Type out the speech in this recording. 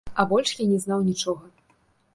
А больш я не знаў нічога.